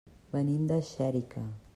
Venim de Xèrica.